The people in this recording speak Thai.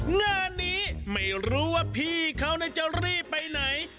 งานนี้ไม่รู้ว่าพี่เขาจะรีบไปไหน